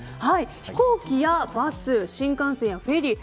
飛行機やバス、新幹線やフェリー